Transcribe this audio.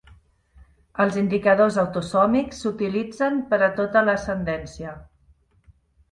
Els indicadors autosòmics s'utilitzen per a tota l'ascendència.